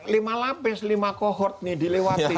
lima lapis lima kohort nih dilewati